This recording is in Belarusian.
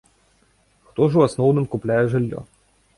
Хто ж у асноўным купляе жыллё?